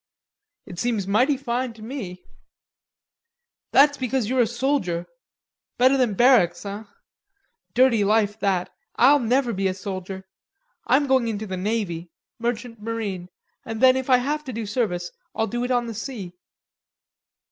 "It seems mighty fine to me." "That's because you're a soldier, better than barracks, hein? Dirty life that. I'll never be a soldier. I'm going into the navy. Merchant marine, and then if I have to do service I'll do it on the sea."